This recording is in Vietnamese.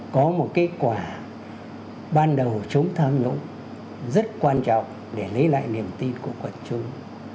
có một kết quả ban đầu chống tham nhũng rất quan trọng để lấy lại niềm tin của quần chúng